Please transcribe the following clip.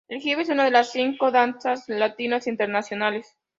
El jive es una de las cinco danzas latinas internacionales.